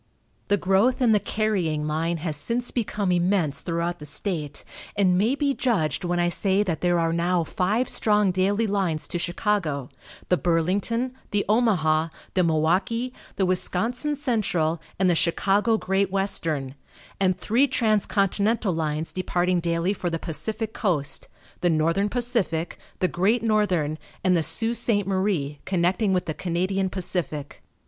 The growth in the carrying line has since become immense throughout the state, and may be judged when I say that there are now five strong daily lines to Chicago, the Burlington, the Omaha, the Milwaukee, the Wisconsin Central and the Chicago Great Western, and three transcontinental lines departing daily for the Pacific Coast, the Northern Pacific, the Great Northern and the Sault Ste. Marie (connecting with the Canadian Pacific).